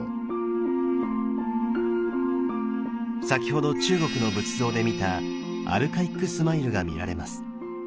先ほど中国の仏像で見たアルカイックスマイルが見られます。